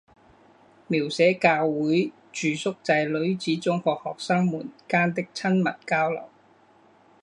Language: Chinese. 描写教会住宿制女子中学学生们间的亲密交流。